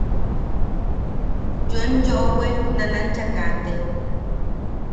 Yoem yoʼowe nanancha kate.